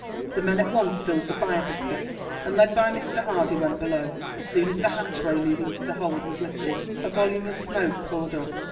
The men at once filled the fire buckets and, led by Mr. Hardy, went below. As soon as the hatchway leading to the hold was lifted, a volume of smoke poured up.